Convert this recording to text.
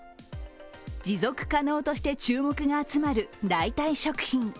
持続可能として注目が集まる代替食品。